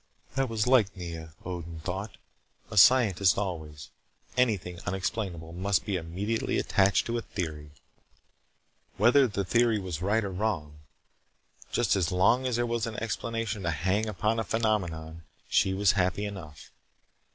That was like Nea, Odin thought. A scientist, always. Anything unexplainable must be immediately attached to a theory whether the theory were right or wrong. Just as long as there was an explanation to hang upon a phenomenon she was happy enough.